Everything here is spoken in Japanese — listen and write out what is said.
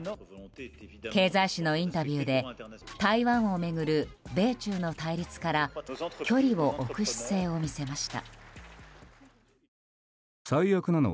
経済紙のインタビューで台湾を巡る米中の対立から距離を置く姿勢を見せました。